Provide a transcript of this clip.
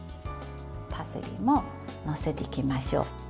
パセリも載せていきましょう。